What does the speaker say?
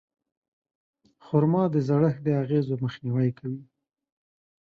خرما د زړښت د اغېزو مخنیوی کوي.